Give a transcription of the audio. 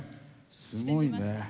すごいね。